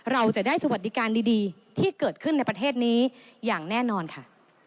เราจะได้สวัสดิการดีที่เกิดขึ้นในประเทศนี้อย่างแน่นอนค่ะ